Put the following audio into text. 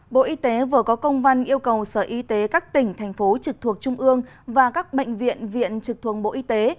bộ y tế vừa có công văn yêu cầu sở y tế các tỉnh thành phố trực thuộc trung ương và các bệnh viện viện trực thuộc bộ y tế